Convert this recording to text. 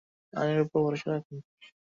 আইনের উপর ভরসা রাখুন।